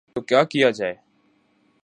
تو کیا کیا جائے؟